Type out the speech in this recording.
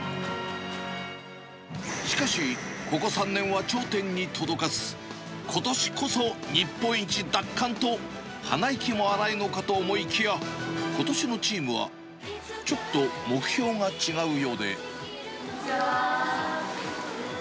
しかし、ここ３年は頂点に届かず、ことしこそ、日本一奪還と、鼻息も荒いのかと思いきや、ことしのチームは、ちょっと目標こんにちは。